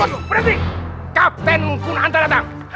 berhenti kapten kun anta datang